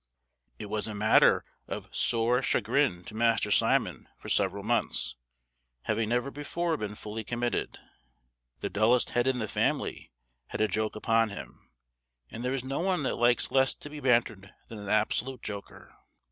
It was a matter of sore chagrin to Master Simon for several months, having never before been fully committed. The dullest head in the family, had a joke upon him; and there is no one that likes less to be bantered than an absolute joker.